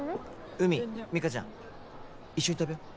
うみみかちゃん一緒に食べよう？